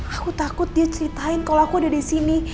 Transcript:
aku takut dia ceritain kalau aku udah disini